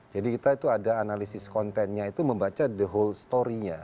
jadi kita itu ada analisis kontennya itu membaca the whole story nya